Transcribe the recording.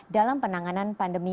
dalam penanganan pandemi